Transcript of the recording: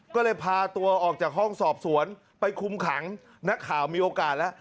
ก็เลยพาตัวออกจากห้องสอบสวนไปคุมขังนักข่าวมีโอกาสแล้ว